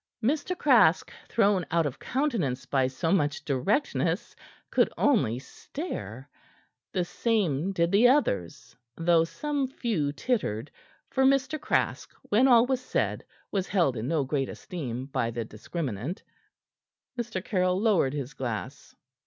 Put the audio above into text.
Mr. Craske, thrown out of countenance by so much directness, could only stare; the same did the others, though some few tittered, for Mr. Craske, when all was said, was held in no great esteem by the discriminant. Mr. Caryll lowered his glass.